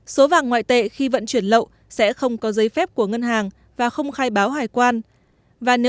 số vàng ngoại tệ khi vận chuyển lậu sẽ không có giấy phép của ngân hàng và không khai báo hải quan